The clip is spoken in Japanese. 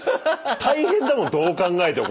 大変だもんどう考えても。